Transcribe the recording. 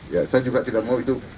ya saya juga tidak mau itu